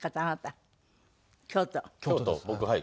僕はい。